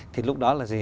thì lúc đó là gì